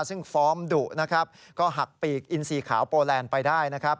ซึ่งฟอร์มดุนะครับก็หักปีกอินซีขาวโปแลนด์ไปได้นะครับ